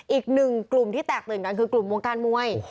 อีกหนึ่งกลุ่มที่แตกตื่นกันคือกลุ่มวงการมวย